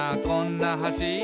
こんな橋」